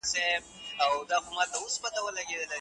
جهاني ما دي د خوبونو تعبیرونه کړي